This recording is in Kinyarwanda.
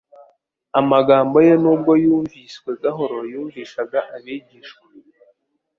Amagambo ye nubwo yumviswe gahoro yumvishaga abigishwa